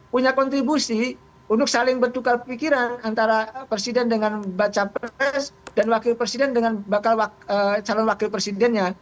punya kontribusi untuk saling bertukar pikiran antara presiden dengan baca pres dan wakil presiden dengan bakal calon wakil presidennya